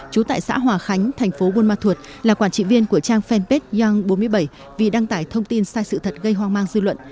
trú tại xã hòa khánh thành phố buôn ma thuột là quản trị viên của trang fanpage yong bốn mươi bảy vì đăng tải thông tin sai sự thật gây hoang mang dư luận